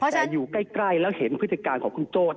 แต่อยู่ใกล้แล้วเห็นพฤติการของคุณโจ้